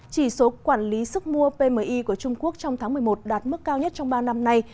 chỉ số quản lý sức mua pmi của trung quốc trong tháng một mươi một đạt mức cao nhất trong ba năm nay